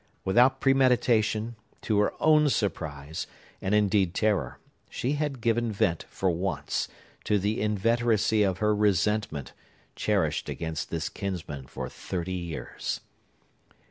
Without premeditation, to her own surprise, and indeed terror, she had given vent, for once, to the inveteracy of her resentment, cherished against this kinsman for thirty years.